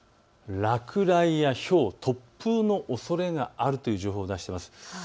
落雷やひょう、突風のおそれがあるという情報を出しています。